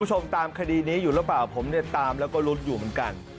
คุณผู้ชมตามคดีนี้อยู่หรือเปล่าผมตามแล้วก็รุ้นอยู่เหมือนกัน